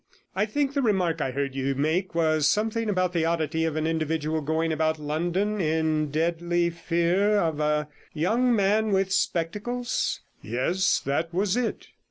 I think the remark I heard you make was something about the oddity of an individual going about London in deadly fear of a young man with spectacles?' 'Yes; that was it.'